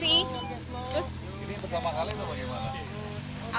terus ini pertama kali atau bagaimana